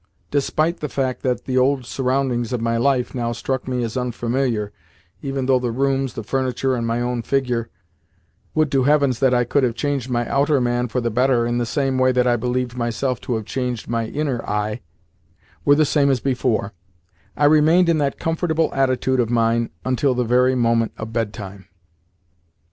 Despite the fact that the old surroundings of my life now struck me as unfamiliar (even though the rooms, the furniture, and my own figure would to heavens that I could have changed my outer man for the better in the same way that I believed myself to have changed my inner I were the same as before), I remained in that comfortable attitude of mine until the very moment of bedtime.